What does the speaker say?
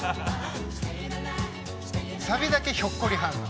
サビだけひょっこりはんなの。